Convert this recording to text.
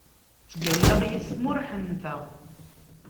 Ttgallaɣ yis-m ur ḥenteɣ.